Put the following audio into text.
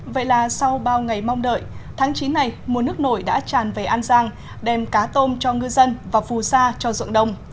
vậy là sau bao ngày mong đợi tháng chín này mùa nước nổi đã tràn về an giang đem cá tôm cho ngư dân và phù sa cho ruộng đồng